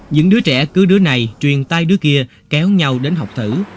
những đứa trẻ cứ đứa này truyền tai đứa kia kéo nhau đến học thử